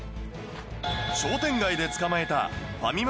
商店街でつかまえたファミマ